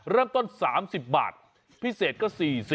เริ่มต้น๓๐บาทพิเศษก็๔๐